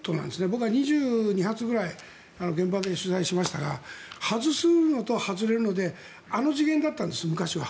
僕は２２発くらい現場で取材しましたが外すのと外れるのであの次元だったんです、昔は。